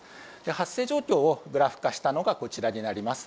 発生状況をグラフ化したものがこちらになります。